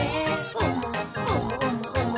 「おもおもおも！